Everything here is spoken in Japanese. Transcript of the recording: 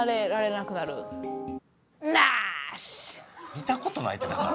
見た事ないってだから。